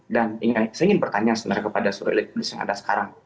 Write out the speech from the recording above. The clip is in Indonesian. dan saya ingin bertanya sebenarnya kepada suruh elit elitis yang ada sekarang